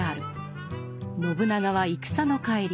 信長は戦の帰り